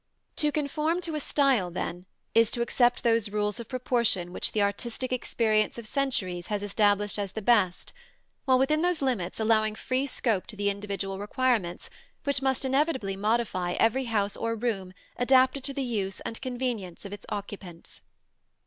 ] To conform to a style, then, is to accept those rules of proportion which the artistic experience of centuries has established as the best, while within those limits allowing free scope to the individual requirements which must inevitably modify every house or room adapted to the use and convenience of its occupants.